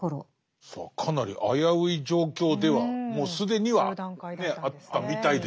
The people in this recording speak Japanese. かなり危うい状況ではもう既にはあったみたいですけど。